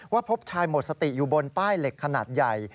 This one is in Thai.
พบชายหมดสติอยู่บนป้ายเหล็กขนาดใหญ่